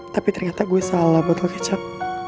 tapi ternyata gue salah buat kecap